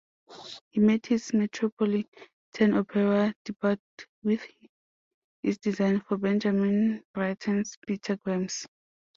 He made his Metropolitan Opera debut with his design for Benjamin Britten's "Peter Grimes".